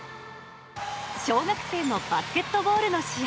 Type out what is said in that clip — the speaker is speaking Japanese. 小学生のバスケットボールの試合。